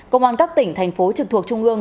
công an các tỉnh thành phố trực thuộc trung ương